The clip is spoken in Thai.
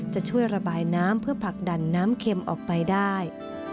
จะช่วยระบายน้ำเพื่อผลักดันน้ำเข็มออกไปได้